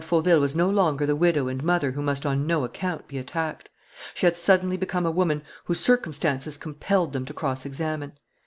Fauville was no longer the widow and mother who must on no account be attacked. She had suddenly become a woman whom circumstances compelled them to cross examine.